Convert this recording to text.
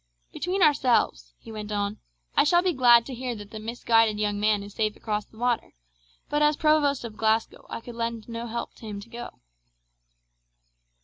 'Between ourselves,' he went on, 'I shall be glad to hear that the misguided young man is safe across the water, but as Provost of Glasgow I could lend him no help to go.'